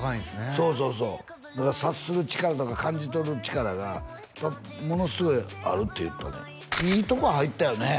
そうそうそうだから察する力とか感じ取る力がものすごいあるって言ってたもんいいとこ入ったよね